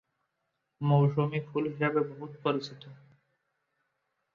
মৌসুমী ফুল হিসেবে বহুল পরিচিত।